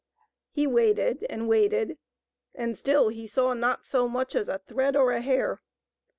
He waited and waited, and still he saw not so much as a thread or a hair.